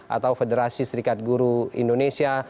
atau federasi serikat guru indonesia